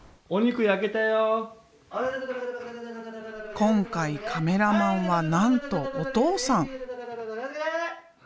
今回カメラマンはなんとお父さん。